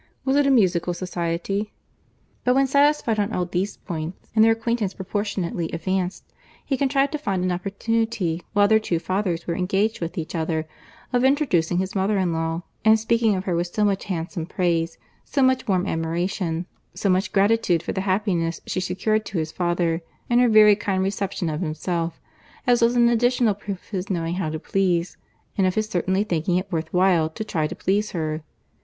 —Was it a musical society?" But when satisfied on all these points, and their acquaintance proportionably advanced, he contrived to find an opportunity, while their two fathers were engaged with each other, of introducing his mother in law, and speaking of her with so much handsome praise, so much warm admiration, so much gratitude for the happiness she secured to his father, and her very kind reception of himself, as was an additional proof of his knowing how to please—and of his certainly thinking it worth while to try to please her.